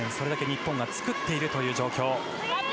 それだけ日本がつくっているという状況。